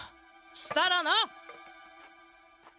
したらな！